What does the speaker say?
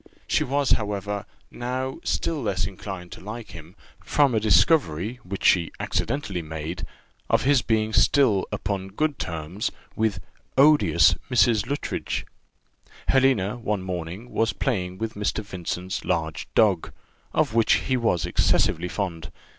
She was, however, now still less inclined to like him, from a discovery, which she accidentally made, of his being still upon good terms with odious Mrs. Luttridge. Helena, one morning, was playing with Mr. Vincent's large dog, of which he was excessively fond.